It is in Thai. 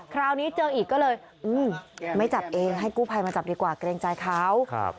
คราวนี้เจออีกก็เลยไม่จับเองให้กู้ภัยมาจับดีกว่าเกรงใจเขา